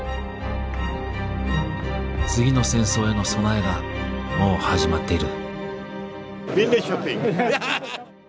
次の戦争への備えがもう始まっている。